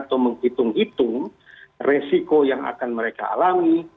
atau menghitung hitung resiko yang akan mereka alami